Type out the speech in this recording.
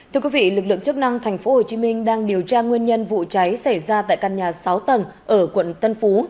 thưa quý vị lực lượng chức năng tp hcm đang điều tra nguyên nhân vụ cháy xảy ra tại căn nhà sáu tầng ở quận tân phú